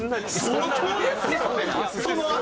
相当ですけどねその圧。